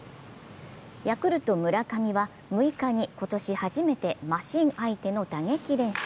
ヤクルト・村上は６日に今年初めてマシン相手の打撃練習。